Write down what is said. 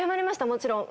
もちろん。